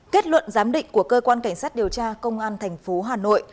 kết luận giám định của cơ quan cảnh sát điều tra công an tp hà nội